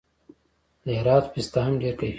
د هرات پسته هم ډیر کیفیت لري.